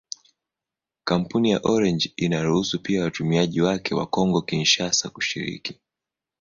Kampuni ya Orange inaruhusu pia watumiaji wake wa Kongo-Kinshasa kushiriki.